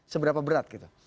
seberapa berat gitu